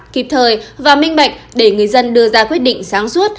kịp thời và minh bạch để người dân đưa ra quyết định sáng suốt